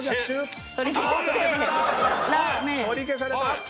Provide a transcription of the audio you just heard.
取り消された。